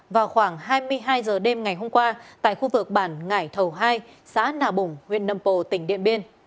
vào khoảng hai mươi hai h đêm ngày hôm qua tại khu vực bản ngải thầu hai xã nà bủng huyện nâm bồ tỉnh điện biên